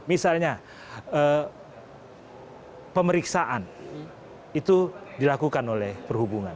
misalnya pemeriksaan itu dilakukan oleh perhubungan